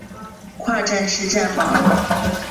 跨站式站房。